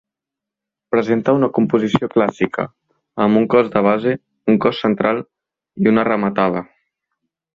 Presenta una composició clàssica, amb un cos de base, un cos central i una rematada.